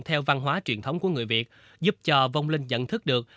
theo văn hóa truyền thống của người việt giúp cho vông linh nhận thức được